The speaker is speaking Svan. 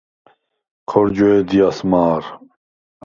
ქორ ჯვე̄დიას მა̄რ.